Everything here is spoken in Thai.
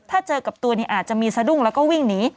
ถ้าเจอกับตัวนี้อาจจะมีสะดุ้งแล้วก็วิ่งหนี